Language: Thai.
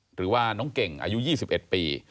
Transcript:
หรือว่าน้องเก่งอายุ๒๑ปี